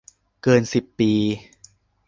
เกินสิบปี